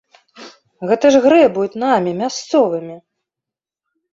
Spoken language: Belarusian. Гэта ж грэбуюць намі, мясцовымі!